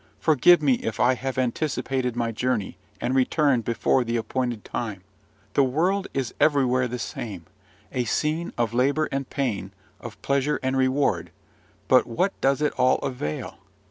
forgive me if I have anticipated my journey, and returned before the appointed time! The world is everywhere the same, a scene of labour and pain, of pleasure and reward; but what does it all avail?